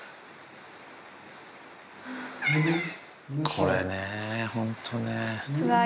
これね、本当ね。